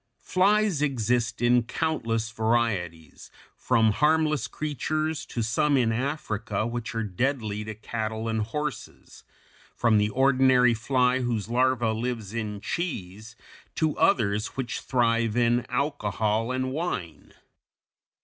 Flies exist in countless varieties, from harmless creatures to some in Africa which are deadly to cattle and horses; from the ordinary fly whose larva lives in cheese to others which thrive in alcohol and wine.